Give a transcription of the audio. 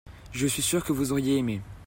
je suis sûr que vous auriez aimé.